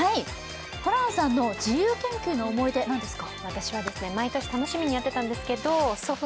ホランさんの自由研究の思い出、何ですか？